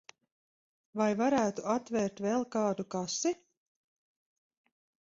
Vai varētu atvērt vēl kādu kasi?